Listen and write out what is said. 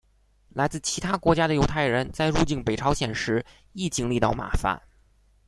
来自其他国家的犹太人在入境北朝鲜时亦经历到麻烦。